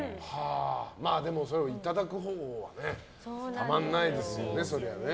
でも、それをいただくほうはねたまらないですよね、そりゃ。